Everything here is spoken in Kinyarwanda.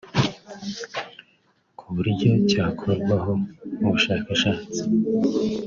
ku buryo cyakorwaho ubushakashatsi